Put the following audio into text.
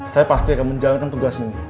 saya pasti akan menjalankan tugas ini